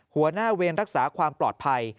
หัวหน้าเวรรักษาความปลอดภัย